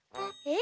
え！